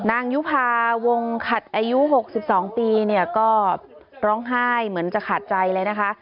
ยุภาวงขัดอายุ๖๒ปีเนี่ยก็ร้องไห้เหมือนจะขาดใจเลยนะคะ